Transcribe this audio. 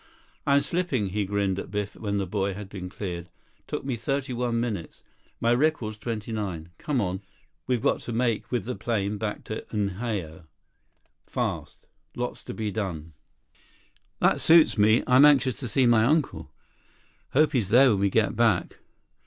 "I'm slipping," he grinned at Biff when the boy had been cleared. "Took me thirty one minutes. My record's twenty nine. Come on. We've got to make with the plane back to Unhao. Fast. Lots to be done." 38 "That sure suits me. I'm anxious to see my uncle." "Hope he's there when we get back."